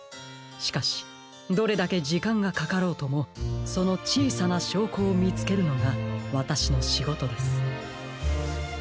しかしどれだけじかんがかかろうともそのちいさなしょうこをみつけるのがわたしのしごとです。